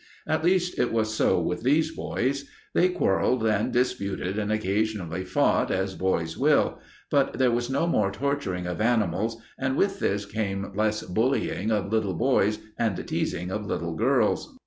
At least it was so with these boys. They quarreled and disputed and occasionally fought, as boys will, but there was no more torturing of animals, and with this came less bullying of little boys and teasing of little girls.